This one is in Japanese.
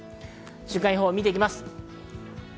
週間予報を見ていきます。